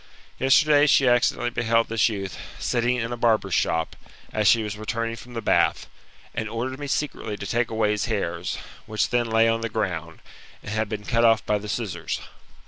Yesterday she accidently beheld this, youth, sitting in a barber's shop, as she was returning from the bath, and ordered me secretly to take away his hairs, which then lay on the ground, and had been cut off by the scissors.